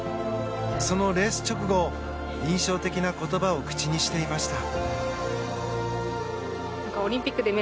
そのレース直後、印象的な言葉を口にしていました。